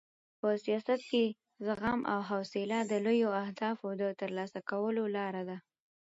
په سیاست کې زغم او حوصله د لویو اهدافو د ترلاسه کولو لار ده.